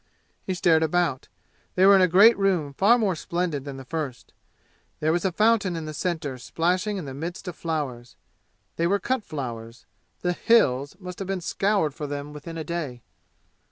He stared about. They were in a great room far more splendid than the first. There was a fountain in the center splashing in the midst of flowers. They were cut flowers. The "Hills" must have been scoured for them within a day.